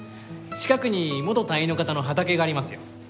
近くに元隊員の方の畑がありますよ。